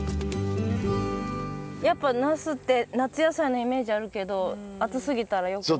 やっぱナスって夏野菜のイメージあるけど暑すぎたらよくない？